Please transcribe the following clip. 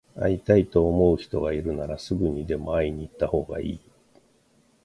会いたいと思う人がいるなら、すぐにでも会いに行ったほうがいい。